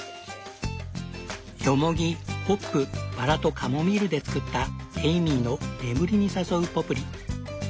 ヨモギホップバラとカモミールで作ったエイミーの眠りに誘うポプリ。